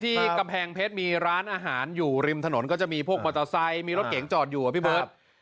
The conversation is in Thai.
กำแพงเพชรมีร้านอาหารอยู่ริมถนนก็จะมีพวกมอเตอร์ไซค์มีรถเก๋งจอดอยู่อะพี่เบิร์ต